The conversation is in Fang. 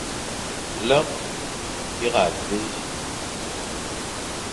Lekh, bîra, vîe.